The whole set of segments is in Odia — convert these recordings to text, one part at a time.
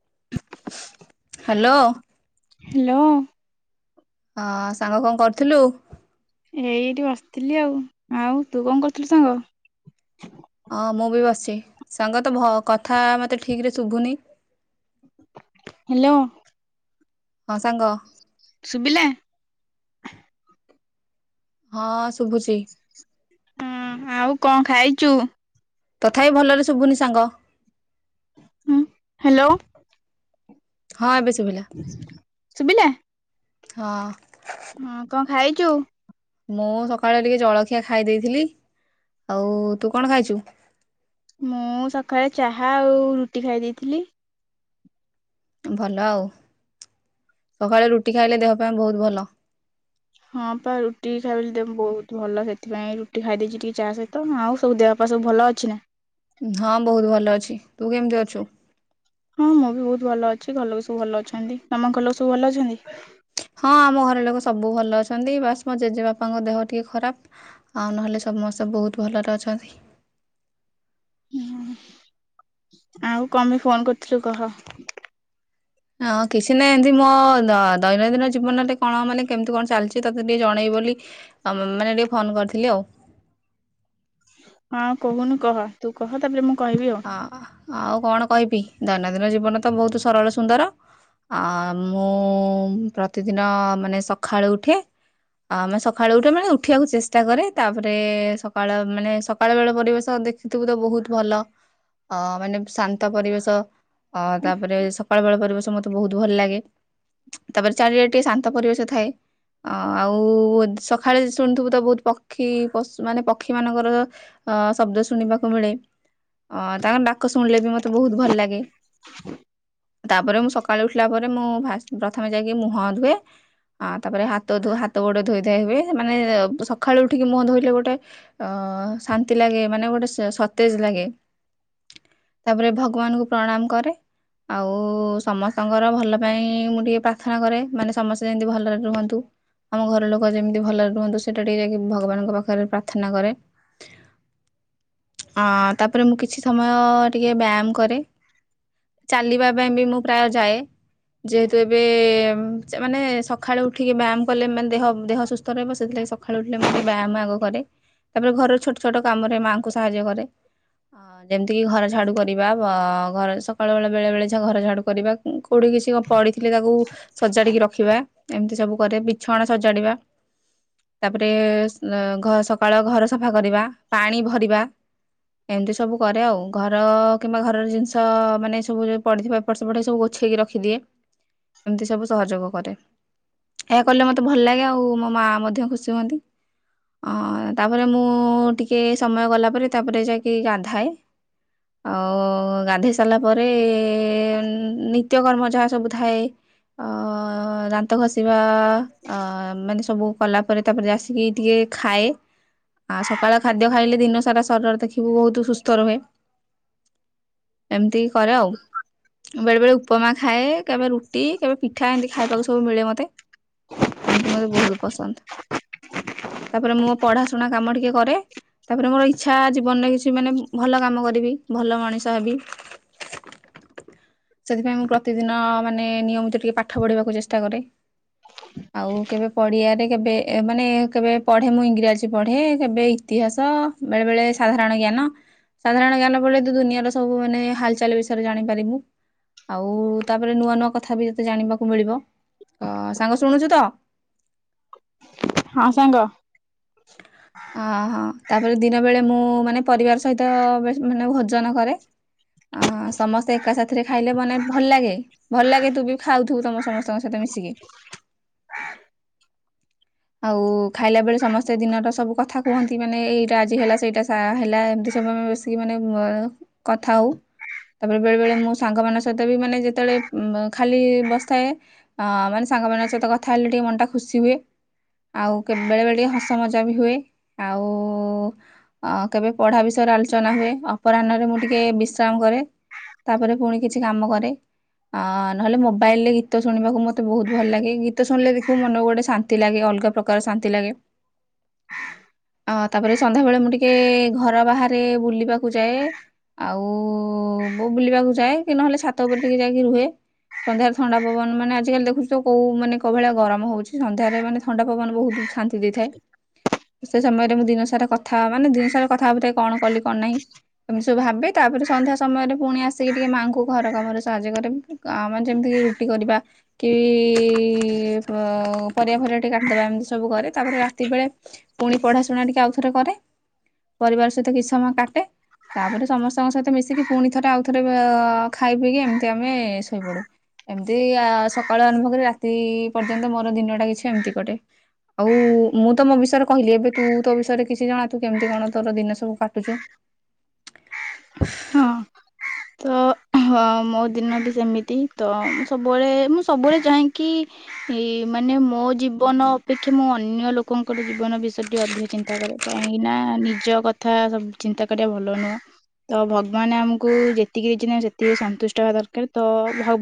[inaudible] ହ୍ୟାଲୋ। ହ ସାଙ୍ଗ କଣ କରୁଥିଲୁ? ଏଇଠି ବସିଥିଲି ଆଉ ଆଉ ତୁ କଣ କରୁଥିଲୁ ସାଙ୍ଗ? ହଁ ମୁଁ ବି ବସିଚି ସାଙ୍ଗ ତୋ ଭ ତୋ କଥା ମତେ ଠିକ ରେ ଶୁଭୁନି। ହ୍ୟାଲୋ। ହଁ ସାଙ୍ଗ। ଶୁଭିଲା। ହଁ ଶୁଭୁଛି ହୁଁ ଆଉ କଣ ଖାଇଛୁ? ତଥାପି ଭଲରେ ଶୁଭୁନି ସାଙ୍ଗ। ଉ ହ୍ୟାଲୋ। ହଁ ଏବେ ଶୁଭିଲା ଶୁଭିଲା। ହଁ। ହଁ କଣ ଖାଇଛୁ? ମୁଁ ସକାଳେ ଟିକେ ଜଳଖିଆ ଖାଇ ଦେଇଥିଲି। ଆଉ ତୁ କଣ ଖାଇଛୁ? ମୁଁ ସକାଳେ ଚାହା ଆଉ ରୁଟି ଖାଇ ଦେଇଥିଲି। ଭଲ ଆଉ ସକାଳେ ରୁଟି ଖାଇଲେ ଦେହ ପାଇଁ ବହୁତ ଭଲ। ହଁ ପା ରୁଟି ଖାଇବେ ବହୁତ ଭଲ ସେଥିପାଇଁ ରୁଟି ଖାଇଦେଇଛି ଟିକେ ଚା ସହିତ ଆଉ ସବୁ ଦେହ ପା ବାପା ସବୁ ଭଲ ଅଛି ନା। ହଁ ବହୁତ ଭଲ ଅଛି। ତୁ କେମିତି ଅଛୁ। ହଁ ମୁଁ ବି ବହୁତ ଭଲ ଅଛି ଘର ଲୋକ ସବୁ ଭଲ ଅଛନ୍ତି। ତମ ଘର ଲୋକ ସବୁ ଭଲ ଅଛନ୍ତି। ହଁ ଆମ ଘର ଲୋକ ସବୁ ଭଲ ଅଛନ୍ତି ବାସ୍ ମୋ ଜେଜେବାପାଙ୍କ ଦେହ ଟିକେ ଖରାପ ଆଉ ନହେଲେ ସମସ୍ତେ ବହୁତ ଭଲରେ ଅଛନ୍ତି। ଆଉ କଣ ପାଇଁ ଫୋନ କରିୁଥିଲୁ କହ। ହଁ କିଛି ନାହିଁ ଏମିତି ମୋ ଦୈନନ୍ଦିନ ଜୀବନରେ କଣ ମାନେ କେମିତି କଣ ଚାଲିଛି ତତେ ଟିକେ ଜଣେଇବି ବୋଲି ମାନେ ଟିକେ ଫୋନ କରିଥିଲି ଆଉ। ହଁ କହୁନୁ କହ ତୁ କହ ତାପରେ ମୁଁ କହିବି ଆଉ ହଁ ଆଉ କଣ କହିବି। ଦୈନନ୍ଦିନ ଜୀବନ ତ ବହୁତ ସରଳ ସୁନ୍ଦର ଆ ମୁଁ ପ୍ରତିଦିନ ମାନେ ସକାଳୁ ଉଠେ ଆ ମାନେ ସକାଳୁ ଉଠେ ମାନେ ଉଠିବାକୁ ଚେଷ୍ଟା କରେ। ତାପରେ ସକାଳ ମାନେ ସକାଳୁ ବେଳ ପରିବେଶ ଦେଖିଥିବୁ ତ ବହୁତ ଭଲ। ଅ ମାନେ ଶାନ୍ତ ପରିବେଶ। ଅ ତାପରେ ସ ପାଳପଳ ପରିବେଶ ମତେ ବହୁତ ଭଲ ଲାଗେ ତାପରେ ଚାରିଆ ଟିକେ ଶାନ୍ତ ପରିବେଶ ଥାଏ ଆଉ ସକାଳେ ଶୁଣିୁଥିବୁ ତ ବହୁତ ପକ୍ଷୀ ପଶୁ ମାନେ ପକ୍ଷୀ ମାନଙ୍କର ଶବ୍ଦ ଶୁଣିବାକୁ ମିଳେ। ଅ ତାଙ୍କର ଡାକ ଶୁଣିଲେ ବି ମତେ ବହୁତ ଭଲ ଲାଗେ ତାପରେ ମୁଁ ସକାଳୁ ଉଠିଲା ପରେ ମୁଁ ଫାସ ପ୍ରଥମେ ଯାଇକି ମୁହଁ ଧୁଏ ଆ ତାପରେ ହାତ ଧୋ ହାତଗୋଡ଼ ଧୋଇ ଧ ହୁଏ ମାନେ ସକାଳୁ ଉଠିକି ମୁହଁ ଧୋଇଲେ ଗୋଟେ ଅ ଶାନ୍ତି ଲାଗେ ମାନେ ଗୋଟେ ସତେଜ ଲାଗେ। ତାପରେ ଭଗବାନଙ୍କୁ ପ୍ରଣାମ କରେ ଆଉ ସମସ୍ତଙ୍କର ଭଲ ପାଇଁ ମୁଁ ଟିକେ ପ୍ରାର୍ଥନା କରେ ମାନେ ସମସ୍ତେ ଯେମିତି ଭଲରେ ରୁହନ୍ତୁ ଆମ ଘର ଲୋକ ଯେମିତି ଭଲରେ ରୁହନ୍ତୁ ସେଇଟା ଟିକେ ଯାଇକି ଭଗବାନଙ୍କ ପାଖରେ ପ୍ରାର୍ଥନା କରେ। ଅଁ ତାପରେ ମୁଁ କି କିଛି ସମୟ ଟିକେ ବ୍ୟାୟାମ କରେ ଚାଲିବା ପାଇଁ ବି ମୁଁ ପ୍ରାୟ ଯାଏ। ଯେହେତୁ ଏବେ ହ ଚା ମାନେ ସକାଳୁ ଉଠିକି ବ୍ୟାୟାମ କଲେ ମାନେ ଦେହ ଦେହ ସୁସ୍ଥ ରହିବ ସେଥିଲାଗି ସକାଳୁ ଉଠିଲେ ମୁଁ ଟିକେ ବ୍ୟାୟାମ ଆଗ କରେ ତାପରେ ଘରର ଛୋଟ ଛୋଟ କାମରେ ମାଆଙ୍କୁ ସାହାଯ୍ୟ କରେ। ଅ ଯେମିତି କି ଘର ଝାଡୁ କରିବା ଘର ସକାଳୁ ବେଳେ ବେଳେ ବେଳେ ଘର ଝାଡୁ କରିବା। କଉଠି କିଛି କଣ ପଢଥିଲେ ତାକୁ ସଜାଡିକି ରଖିବା। ଏମିତି ସବୁ କରେ ବିଛଣା ସଜାଡ଼ିବା ତାପରେ ସକାଳ ଘର ସଫା କରିବା ପାଣି ଭରିବା। ଏମିତି ସବୁ କରେ ଆଉ ଘର କିମ୍ବା ଘରର ଜିନିଷ ମାନେ ସବୁ ଯେଁ ପଡ଼ିଥିବା ଏପଟ ସେପଟ ସବୁ ଗୋଛେଇକି ରଖିଦିଏ ଏମିତି ସବୁ ସହଯୋଗ କରେ ଏହା କଲେ ମୋତେ ଭଲ ଲାଗେ ଆଉ ମୋ ମାଆ ମଧ୍ୟ ଖୁସି ହୁଅନ୍ତି। ତାପରେ ମୁଁ ଟିକେ ସମୟ ଗଲାପରେ ତାପରେ ଯାଇକ କି ଗାଧାଏ ଆଉ ଗାଧୋଇ ସାରିଲା ପରେ ନିତ୍ୟକର୍ମ ଯାହା ସବୁ ଥାଏ ଅ ଦାନ୍ତ ଘଷିବା ବା ଅ ମାନେ ସବୁ କଲା ପରେ ତାପରେ ଆସିକି ଟିକେ ଖାଏ। ଆ ସକାଳ ଖାଦ୍ୟ ଖାଇଲେ ଦିନ ସାରା ସରୀର ଦେଖ ବହୁତ ସୁସ୍ଥ ରୁହେ ଏମିତି କରେ ଆଉ ବେଳେ ବେଳେ ଉପମା ଖାଏ କେବେ ରୁଟି କେବେ ପିଠା ଏମିତି ଖାଇବାକୁ ସବୁ ମିଳେ ମତେ ଏମିତି ମତେ ବହୁତ ପସନ୍ଦ ତାପରେ ମୁଁ ପଢା ଶୁଣା କାମ ଟିକେ କରେ ତାପରେ ମୋର ଇଚ୍ଛା ଜୀ ବନରେ କିଛି ମାନେ ଭଲ କାମ କରିବି ଭଲ ମଣିଷ ହେବି ସେଥିପାଇଁ ମୁଁ ପ୍ରତିଦିନ ମାନେ ନିୟମିତ ଟିକେ ପାଠ ପଢିବାକୁ ଚେଷ୍ଟା କରେ ଆଉ କେବେ ପଡିଆରେ କେବେ ମାନେ କେବେ ପଢ଼େ ମୁଁ ଇଂରାଜୀ ପଢେ କେବେ ଇତିହାସ ବେଳେବେଳେ। ସାଧାରଣ ଜ୍ଞାନ ସାଧାରଣ ଜ୍ଞାନ ବ ତୁ ଦୁନିଆର ସବୁ ମାନେ ହାଲଚାଲ ବିଷୟରେ ଜାଣିପାରିବୁ ଆଉ ତାପରେ ନୂଆ ନୂଆ କଥା ବି ଯେତେ ଜାଣିବାକୁ ମିଳିବ ସାଙ୍ଗ ଶୁଣୁଛୁ ତ। ହଁ ସଙ୍ଗ। ଆ ହା। ତାପରେ ଦିନ ବେଳେ ମୁଁ ମାନେ ପରିବାର ସହିତ ବେସ୍ ମାନେ ଭୋଜନ କରେ ଆ ସମସ୍ତେ ଏକା ସାଥିରେ ଖାଇଲେ ମାନେ ଭଲ ଲାଗେ ଭଲ ଲାଗେ ତୁ ବି ଖାଉଥିବୁ ତମ ସମସ୍ତଙ୍କ ସହିତ ମିଶିକି ଆଉ ଖାଇଲା ବଳେ ସମସ୍ତେ ସେ ଦିନଟା ସବୁ କଥା କୁହନ୍ତି ମାନେ ଏଇଟା ଆଜି ହେଲା ସେଇଟା ସା ହେଲା ଏମିତି ସବୁ ମିଶିକି ମାନେ ବସିକି ମାନେ କଥା ହେଉ ତାପରେ ବେଳେବେଳେ ମୁଁ ସାଙ୍ଗମାନଙ୍କ ସହିତ ବି ମାନେ ଯେତେବେଳେ ଖାଲି ବସିଥାଏଅ ମାନେ ସାଙ୍ଗମାନଙ୍କ ସହିତ କଥା ହେଲେ ଟିକେ ମନଟା ଖୁସି ହୁଏ ଆଉ ବେଳେବେଳେ ଟିକେ ହସ୍ ମଜା ବି ହୁଏ ଆଉ ଆ କେବେ ପଢ଼ା ବିଷୟରେ ଆଲୋଚନା ହୁଏ ଅପରାହ୍ନରେ ମୁଁ ଟିକେ ବିଶ୍ରାମ କରେ ତାପରେ ପୁଣି କିଛି କାମ କରେ ଆ ନହେଲେ ମୋବାଇଲରେ ଗୀତ ଶୁଣିବାକୁ ମୋତେ ବହୁତ ଭଲ ଲାଗେ ଗୀତ ଶୁଣିଲେ ଦେଖିବୁ ମନକୁ ଗୋଟେ ଶାନ୍ତି ଲାଗେ ଅଲଗା ପ୍ରକାର ଶାନ୍ତି ଲାଗେ। ଆ ତାପରେ ସନ୍ଧ୍ୟାବେେଳେ ମୁଁ ଟିକେ ଘର ବାହାରେ ବୁଲିବାକୁ ଯାଏ ଆଉ ଉ ଉ ବୁଲିବାକୁ ଯାଏ କି ନହେଲେ ଛାତ ଉପରେ ଟିକେ ଯାଇକି ରୁହେ ସନ୍ଧ୍ୟାରେ ଥଣ୍ଡା ପବନ ମାନେ ଆଜିକାଲି ଦେଖୁଛ ତ କୋଉ ମାନେ କୋଉ ମାନେ ଭଳିଆ ଗରମ ହଉଛି ସନ୍ଧ୍ୟାରେ ମାନେ ଥଣ୍ଡା ପବନ ବହୁତ୍ ଶାନ୍ତି ଦେଇଥାଏ। ସେ ସମୟରେ ମୁଁ ଦିନ ସାରା କଥା ମାନେ ଦିନ ସାରା କଥା ହବ କଣ କଲି କଣ ନାହିଁ ଏମିତି ସବୁ ଭାବେ ତାପରେ ସନ୍ଧ୍ୟା ସମୟରେ ପୁଣି ଆସିକି ଟିକେ ମାଆଙ୍କୁ ଘର କାମରେ ସାହାଯ୍ୟ କରେ ମାନେ ଯେମିତି ରୁଟି କରିବା କି ପ ପରିବା ଫରିଵା ଟିକେ କାଟିଦବା ଏମିତି ସବୁ କରେ ତାପରେ ରାତ୍ ତିବେଳେ ପୁଣି ପଢାଶୁଣା ଟିକେ ଆଉଥରେ କରେ ପରିବାର ସହିତ କିଛି ସମୟ କାଟେ ତାପରେ ସମସ୍ତଙ୍କ ସହିତ ମିଶିକି ପୁଣି ଥରେ ଆଉଥରେ ଅ ଖାଇ ପିଇକି ଏମିତି ଆମେ ଶୋଇପଡୁ ଏମିତି ଆ ସକାଳ ଆରମ୍ଭ କରି ରାତି ପର୍ଯ୍ୟନ୍ତ ମୋର ଦିନଟା କିଛି ଏମିତି କଟେ ଆଉ ଉ ମୁଁ ତ ମୋ ବିଷୟରେ କହିଲି ଏବେ ତୁ ତୋ ବିଷୟରେ କିଛି ଜଣା ତୁ କେମିତି କଣ ତୋର ଦିନ ସବୁ କାଟୁଚୁ। ହଁ ତ ମୋ ଦିନ ବି ସେମିତି ତ ମୁ ସବୁବେଳେ ମୁଁ ସବୁବେଳେ ଚାହେକି ଇ ମାନେ ମୋ ଜୀବନ ଅପେକ୍ଷା ମୁଁ ଅନ୍ୟ ଲୋକଙ୍କର ଜୀବନ ବିଷୟ ରେ ଅଧିକ ଚିନ୍ତା କରେ କାହିଁକି ନା ନିଜ କଥା ଚିନ୍ତା କରିବା ଭଲ ନୁହଁ। ତ ଭଗବାନ ଆମକୁ ଯେତିକି ଦେଇଛନ୍ତି ସେତିକି ସନ୍ତୁଷ୍ଟ ହେବା ଦରକାର ତ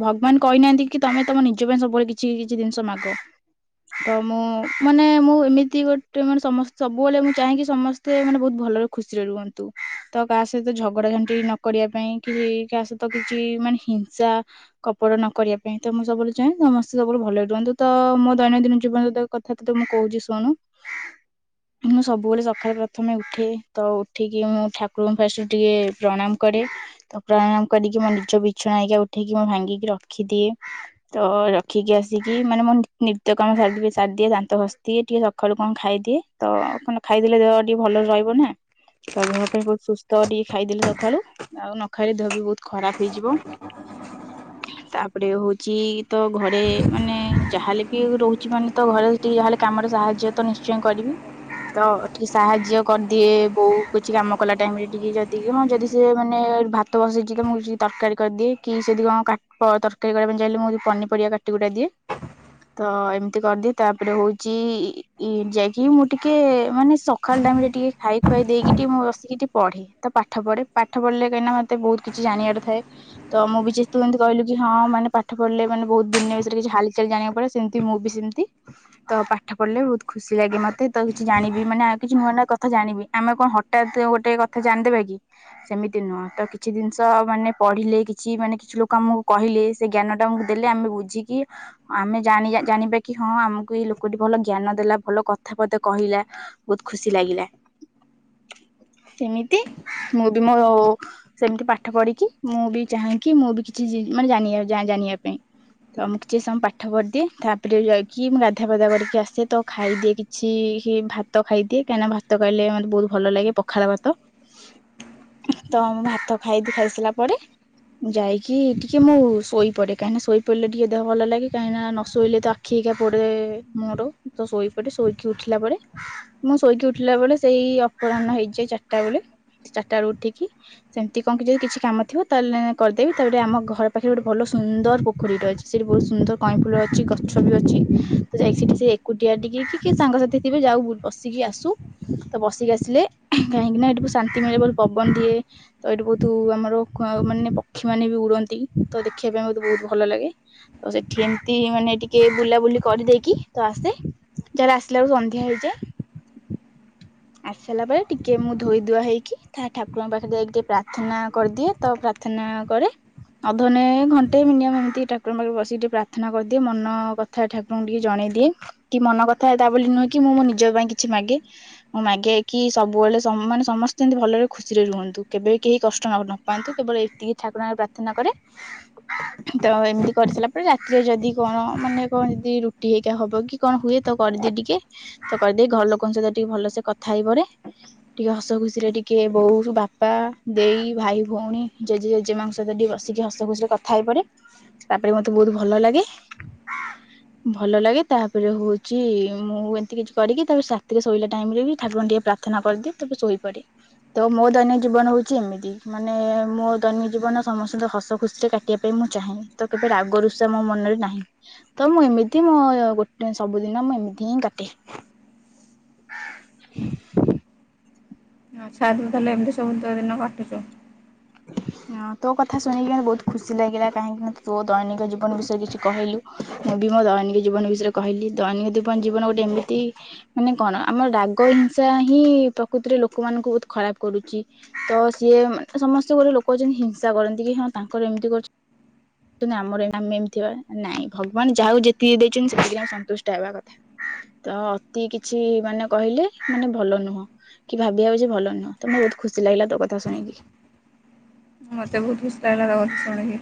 ଭଗବାନ କହିନାହାନ୍ତି କି ତମେ ତମ ନିଜ ପାଇଁ ସବୁବେଳେ କିଛି କିଛି ଜିନିଷ ମାଗ ତ ମୁଁ ମାନେ ମୁଁ ଏମିତି ଗୋଟେ ମାନେ ସମସ୍ତେ ସବୁବେଳେ ମୁଁ ଚାହେକି ସମସ୍ତେ ମାନେ ବହୁତ ଭଲରେ ଖୁସିରେ ରୁହନ୍ତୁ ତ କାହା ସହିତ ଝଗଡା ଝାଣ୍ଟି ନ କରିବା ପାଇଁ କି କାହା ସହିତ କିଛି ମାନେ ହିଂସା କପଟ ନ କରିବା ପାଇଁ ତ ମୁଁ ସବୁବେଳେ ଚାହେଁ ସମସ୍ତେ ସବୁବେଳେ ଭଲରେ ରୁହନ୍ତୁ ତ ମୋ ଦୈନନ୍ଦିନ ଜୀବନ ତ କଥା ତତେ ମୁଁ କହୁଛି ଶୁଣୁ ମୁଁ ସବୁବେଳେ ସକାଳେ ପ୍ରଥମେ ଉଠେ ତ ଉଠିକି ମୁଁ ଠାକୁରଙ୍କୁ ଫାଷ୍ଟ ଟିକେ ପ୍ରଣାମ କରେ ତ ପ୍ରଣାମ କରିକି ମୋ ନିଜ ବିଛଣା ଆ ଉଠେଇକି ମୁ ଭାଙ୍ଗିକି ରଖିଦିଏ ତ ରଖିକି ଆସିକି ମାନେ ମୋ ନି ନିତ୍ୟ କାମ ସା ସାରିଦିଏ ଦାନ୍ତ ଘସି ଦିଏ ଟିକେ ସକାଳୁ କଣ ଖାଇଦିଏ ତ କଣ ଖାଇଦେଲେ ଦେହ ଟିକେ ଭଲ ରହିବ ନା ତ ଦେହ ପାଇଁ ବହୁତ ସୁସ୍ଟ ତ ଟିକେ ଖାଇଦେଲେ ସକାଳୁ ଆଉ ନଖାଇଲେ ଦେହ ବି ବହୁତ ଖରାପ ହେଇଯିବ ତାପରେ ହଉଛି ତ ଘରେ ମାନେ ଯାହାଲେ ବି ରହୁଛି ମାନେ ତ ଘରେ ଟିକେ ଯାହାଲେ କାମରେ ସାହାଯ୍ୟ ତ ନିଶ୍ଚୟ କରିବି ତ ଟିକେ ସାହାଯ୍ୟ କରିଦିଏ ବୋଉ କିଛି କାମ କଲା ଟାଇମରେ। ଟିକେ ଯଦି ହଁ ଯଦି ସେ ମାନେ ଭାତ ବସେଇଚିକୀ ମୁଁ ତରକାରୀ କରିଦିଏ କି ସେଦି କଣ ତରକାରୀ କରିବା ପାଇଁ ଯାଇଲେ ମୁଁ ପନିପରିବା କାଟି କୁଟା ଦିଏ ତ ଏମିତି କରିଦିଏ ତାପରେ ହଉଛି ଯାଇକି ମୁଁ ଟିକେ ମାନେ ସକାଳ ଟାଇମ ରେ ଟିକେ ଖାଇ ଖୁଆଇ ଦେଇକ ଟିକେଁ ବସିକି ଟିକ ପଢେ ତ ପାଠ ପଢେ ପାଠ ପଢିଲେ କିନା ମତେ ବହୁତ କିଛି ଜାଣିବାର ଥାଏ ତ ମୁଁ ବି ଯେ ତୁ ଏମିତି କହିଲୁ କି ହଁ ମାନେ ପାଠ ପଢିଲେ ମାନେ ବହୁତ ଦୁନିଆ ବିଷୟରେ କିଛି ହାଲ ଚାଲି ଜାଣକୁ ପଡେ ସେମିତି ମୁଁ ବି ସେମିତି ତ ପାଠ ପଢ଼ିଲେ ବହୁତ ଖୁସି ଲାଗେ ମତେ। ରୁ ତ କିଛି ଜଣିବି ମାନେ ଆଉ କିଛି ନୂଆ ନୂଆ କଥାା ଜାଣିବି ଆମେ କଣ ହଠାତ୍ ଗୋଟେ କ କଥା ଜାଣିଦେବା କି ସେମିତି ନୁହଁ ତ କିଛି ଜିନିଷ ମାନେ ପଢିଲେ କିଛି ମାନେ କିଛି ଲୋକ ଆମକୁ କହିଲେ ସେ ଜ୍ଞାନ ଟା ଆମକୁ ଦେଲେ ଆମେ ବୁଝିକି ଆମେ ଜାଣି ଜାଣିବେ କି ହଁ ଆମକୁ ଏଇ ଲୋକଟି ଭଲ ଜ୍ଞାନ ଦେଲା ଭଲ କଥା ପଦେ କହିଲା ବହୁତ ଖୁସି ଲାଗିଲା। କେମିତି ମୁଁ ବି ମୋ ଓ ସେମିତି ପାଠ ପଢ଼ିକି ମୁଁ ବି ଚାହେଁକି ମୁଁ ବି କିଛି ଜି ମାନେ ଜ ଜାଣି ଜାଣିବା ପାଇଁ ତ ମୁଁ କିଛି ସମ ପାଠ ପଢ଼ିଦିଏ ତାପରେ ଯାଇକି ମୁଁ ଗାଧା ପାଧା କରିକି ଆସେ ତ ଖାଇଦିଏ କିଛି ହିଁ ଭାତ ଖାଇଦିଏ କାହିଁକିନା ଭାତ ଖାଇଲେ ମତେ ବହୁତ ଭଲ ଲାଗେ ପଖଳ ଭାତ। ତ ମୁଁ ଭାତ ଖାଇ କି ଖାଇସିଲା ପରେ ମୁଁ ଯାଇକି ଟିକେ ମୁଁ ଶୋଇ ପଡେ କାହିଁକିନା ଶୋଇ ପଡ଼ିଲେ ଟିକେ ଦେହ ଭଲ ଲାଗେ କାହିଁକି ନା ନ ଶୋଇଲେ ତ ଆଖି ହେକା ପୋଡେ ମୋର ତ ଶୋଇ ପଡେ ଶୋଇକି ଉଠିଲା ପରେ ମୁଁ ଶୋଇକି ଉଠିଲା ବେଳେ ସେଇ ଅପରାହ୍ନ ହେଇଯାଏ ଚାରି ଟା ବେଲେ ଚାରିଟା ରେ ଉଠିକି ସେମିତି କଣ କି ଯଦି କିଛି କାମ ଥିବ ତାହେଲେ କରିଦେବି ତା ପରେ ଆମ ଘର ପାଖରେ ଗୋଟେ ଭଲ ସୁନ୍ଦର ପୋଖରୀଟେ ଅଛି ସେଠି ବହୁତ ସୁନ୍ଦର କଇଁଫୁଲ ଅଛି ଗଛ ବି ଅଛି ତ ଯାଇକି ସେଠି ସେ ଏକୁଟିଆ ଟିକ କି ସାଙ୍ଗସାଥି ଥିବେ ଯାଉ ବୁ ବସିକି ଆସୁ ତ ବସିକି ଆସିଲେ କାହିଁକି ନା ଏଠିକୁ ଶାନ୍ତି ମିଳେ ପବନ ଦିଏ ତ ଏଇଠି ବହୁତ ଆମର ମାନେ ପକ୍ଷୀ ମାନେ ବି ଉଡନ୍ତି ତ ଦେଖିବା ପାଇଁ ମୋତେ ବହୁତ ଭଲ ଲାଗେ ତ ସେଠି ଏମିତି ମାନେ ଟିକେ ବୁଲାବୁଲି କରିଦେଇକି ତ ଆସେ ଯାଲେ ଆସିଲା ବେଳକୁ ସନ୍ଧ୍ୟା ହେଇଯାଏ। ଆସିଲା ସରିଲା ପରେ ଟିକେ ମୁଁ ଧୋଇ ଧୁଆ ହେଇକି ଠା ଠାକୁରଙ୍କ ପାଖରେ ଯାଇକି ଟିକେ ପ୍ରାର୍ଥନା କରିଦିଏ ତ ପ୍ରାର୍ଥନା କରେ ଅଧଘଣ୍ଟେ ଘଣ୍ଟେ ମିନିମମ୍ ଏମିତି ଠାକୁରଙ୍କ ପାଖରେ ବସିକି ଟିକେ ପ୍ରାର୍ଥନା କରିଦିଏ ମନ କଥା ଠାକୁରଙ୍କୁ ଟିକେ ଜଣେଇ ଦିଏ କି ମନ କଥା ତା ବୋଲି ନୁହେଁ କି ମୁଁ ମୋ ନିଜ ପାଇଁ କିଛି ମାଗେ। ମୁଁ ମାଗେକି ସବୁବେଳେ ସମ ମାନେ ସମସ୍ତେ ଏମିତି ଭଲରେ ଖୁସିରେ ରୁହନ୍ତୁ କେବେ ବି କେହି କଷ୍ଟ ନପଆନ୍ତୁ କେବଳ ଏତିକି ଠାକୁରରେ ପ୍ରାର୍ଥନା କରେ ତ ଏମିତି କରିସାରିଲା ପରେ ରାତିରେ ଯଦି କଣ ମାନେ କଣ ଯଦି ରୁଟି ହେଇକା ହବ କି କଣ ହୁଏ ତ କରିଦିଏ ଟିକେ ତ କରିଦେଇ ଘର ଲୋକଙ୍କ ସହିତ ଟିକେ ଭଲସେ କଥା ହେଇପରେ ଟିକେ ହସ ଖୁସିରେ ଟିକେ ବୋଉ ବାପା ଦେଇ ଭାଇ ଭଉଣୀ ଜେଜେ ଜେଜେମାଙ୍କ ସହିତ ଟିକେ ବସିକି ହସ ଖୁସି ରେ କଥା ହେଇପରେ ତାପରେ ମତେ ବହୁତ ଭଲ ଲାଗେ ଭଲ ଲାଗେ ତାପରେ ହଉଛି ମୁଁ ଏମିତି କିଛି କରିକି ତାପରେ ସାତିରେ ଶୋଇଲା ଟାଇମ ରେ ବି ଠାକୁରଙ୍କୁ ଟିକେ ପ୍ରାର୍ଥନା କରିଦିଏ ତାପରେ ଶୋଇପଡ଼େ ତ ମୋ ଦୈନି ଜୀବନ ହଉଛି ଏମିତି ମାନେ ମୋ ଦୈନି ଜୀବନ ସମସ୍ତଙ୍କ ହସ ଖୁସିରେ କାଟିବା ପାଇଁ ମୁଁ ଚାହେଁ ତ କେବେ ରାଗରୁଷା ମୋ ମନରେ ନାହିଁ ତ ମୁଁ ଏମିତି ମୋ ଗୋଟେ ସବୁଦିନ ମୁଁ ଏମିତି ହିଁ କାଟେ। [inaudible] ଆଛାଦିନ ତାହେଲେ ଏମିତି ସବୁ ତିକ ଦିନ କାଟୁଛୁ। ହଁ ତୋ କଥା ଶୁଣିକି ମତେ ବହୁତ ଖୁସି ଲାଗିଲା କାହିଁକିନା ତୋ ଦୈନିକ ଜୀବନ ବିଷୟରେ କିଛି କହିଲୁ ମୁଁ ବି ମୋ ଦୈନିକ ଜିବନ ବିଷୟରେ କିଛି କହିଲି ଦୈନିକ ଜିବନ ଗୋଟେ ଏମିତି ମାନେ କଣ ରାଗ ହିଂସା ହିଁ ପ୍ରକୃତରେ ଲୋକ ମାନଙ୍କୁ ବହୁତ୍ ଖରାପ୍ କରୁଛି ତ ସିଏ ସମସ୍ତେ ଗୋଟେ ଲୋକ ଅଛନ୍ତି ହିଂସା କରନ୍ତି କି ହଁ ତାଙ୍କର ଏମିତି କରୁ ଚ ଆମର ଆମେ ଏମିତି ହେବା ନାଇଁ ଭଗବାନ ଯାହାକୁ ଯେତିକି ଦେଇଛନ୍ତି ସେତିକି ଆମେ ସନ୍ତୁଷ୍ଟ ହେବା କଥା ତ ଅତି କିଛି ମାନେ କହିଲେ ମାନେ ଭଲ ନୁହଁ କି ଭାବିିବା ଯେ ଭଲ ନୁହଁ ତମ ବହୁତ ଖୁସି ଲାଗିଲା ତୋ କଥା ଶୁଣିକି। ମତେ ବହୁତ ଖୁସି ଲାଗିଲା ତ କଥା ଶୁଣିକି।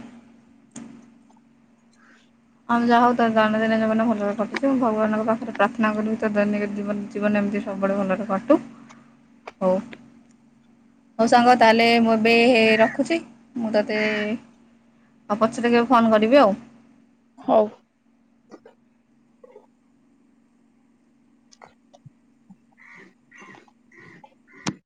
ଆମେ ଯାହା ହଉ ତ ଦୈନିକ ଦିନ ଜୀବନ ଭଲରେ କଟୁଛି ମୁଁ ଭଗବାନଙ୍କ ପାଖରେ ପ୍ରାର୍ଥନା କରିବି ତ ଦୈନିକ ଜୀବନ ଜୀବନ ଏମିତି ସବୁବେଳେ ଭଲରେ କଟୁ। ହଉ। ହଉ ସାଙ୍ଗ ତାହେଲେ ମୁଁ ଏବେ ରଖୁଛି ମୁଁ ତୋତେ ଏ ପଛରେ କେବେ ଫୋନ କରିବି ଆଉ। ହଉ। [inaudible]